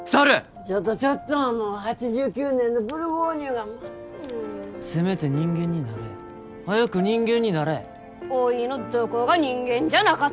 ちょっとちょっと８９年のブルゴーニュがまずくなるせめて人間になれ早く人間になれおいのどこが人間じゃなかと！？